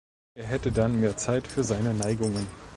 Er hätte dann mehr Zeit für seine Neigungen.